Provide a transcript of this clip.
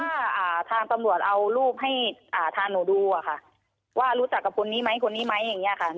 ถ้าทางตำรวจเอารูปให้ทางหนูดูอะค่ะว่ารู้จักกับคนนี้ไหมคนนี้ไหมอย่างนี้ค่ะ